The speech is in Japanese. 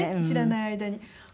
知らない間に。